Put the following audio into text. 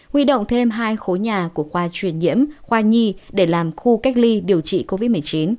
huy động thêm hai khối nhà của khoa truyền nhiễm khoa nhi để làm khu cách ly điều trị covid một mươi chín